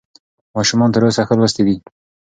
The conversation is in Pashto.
ماشومان تر اوسه ښه لوستي دي.